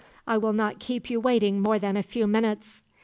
I will not keep you waiting more than a few minutes.'